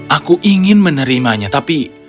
aku ingin menerimanya tapi